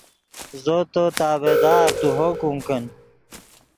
زو تو تابعدار تو حکم کن